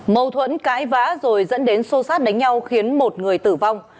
mâu thuẫn cãi vã rồi dẫn đến xô sát đánh nhau khiến một người tử vong